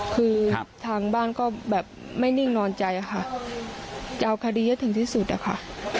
คือทางบ้านก็แบบไม่นิ่งนอนใจค่ะจะเอาคดีให้ถึงที่สุดอะค่ะ